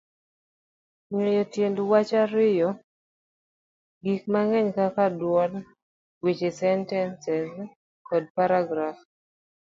Ng'eyo tiend wach oriwo gik mang'eny kaka dwol, weche, sentens, kod paragraf.